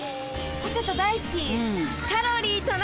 ポテト大好き。